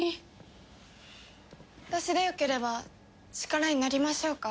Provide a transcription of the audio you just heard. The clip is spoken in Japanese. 私でよければ力になりましょうか？